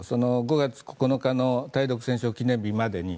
５月９日の対独戦勝記念日までに。